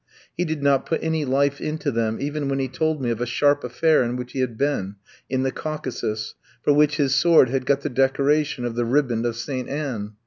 He did not put any life into them even when he told me of a sharp affair in which he had been, in the Caucasus, for which his sword had got the decoration of the Riband of St. Anne.